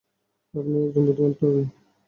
আপনি একজন বুদ্ধিমান তরুণী।